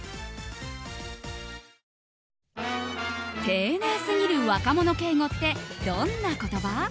丁寧すぎる若者敬語ってどんな言葉？